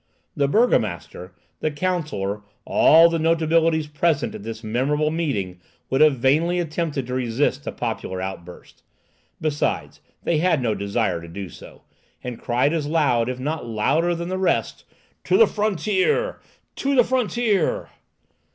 The burgomaster, the counsellor, all the notabilities present at this memorable meeting, would have vainly attempted to resist the popular outburst. Besides, they had no desire to do so, and cried as loud, if not louder, than the rest,— "To the frontier! To the frontier!"